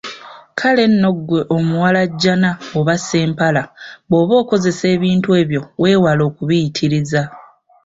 Kale nno ggwe omuwalajjana oba Ssempala bw’oba ng’okozesa ebintu ebyo weewale okubiyitiriza.